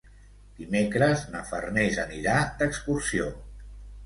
Dimecres na Farners anirà d'excursió.